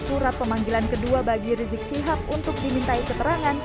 surat pemanggilan kedua bagi rizik syihab untuk dimintai keterangan